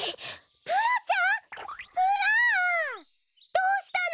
どうしたの？